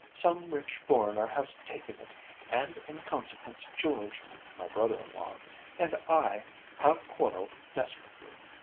Some rich foreigner has taken it, and in consequence George (my brother in law) and I have quarrelled desperately.